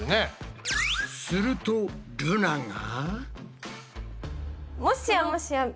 するとルナが。